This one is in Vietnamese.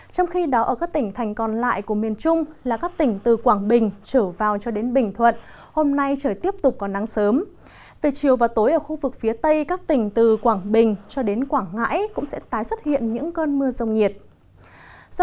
trong khi đó các tỉnh nam bộ nóng từ ba mươi năm đến ba mươi sáu độ vẫn còn xuất hiện diện rộng ở các tỉnh miền đông nam bộ